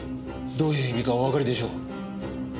どういう意味かおわかりでしょう。